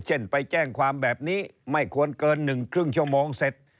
เช่นไปแจ้งความแบบนี้ไม่ควรเกิน๑ครึ่งชั่วโมงเสร็จ